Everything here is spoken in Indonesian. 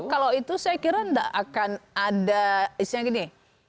kalau itu saya kira tidak akan ada isinya gini